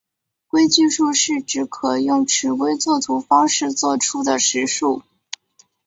规矩数是指可用尺规作图方式作出的实数。